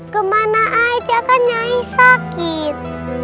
kemana aja akan nyai sakit